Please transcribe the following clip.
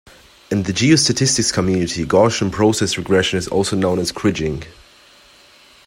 In the geostatistics community Gaussian process regression is also known as Kriging.